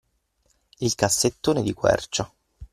Il cassettone di quercia.